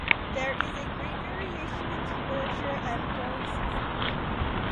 There is great variation in temperature and growing season.